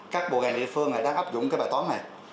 các bộ ngành địa phương này đang áp dụng cái bài toán này